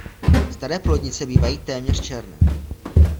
Staré plodnice bývají téměř černé.